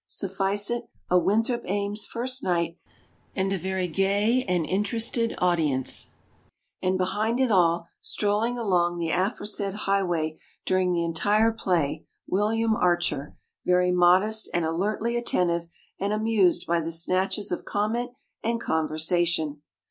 Suffice it, a Winthrop Ames first night, and a very gay and inter ested audience. And behind it all, strolling along the aforesaid highway during the en tire play, William Archer, very modest and alertly attentive and amused by the snatches of conmient and conver sation.